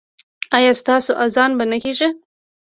ایا ستاسو اذان به نه کیږي؟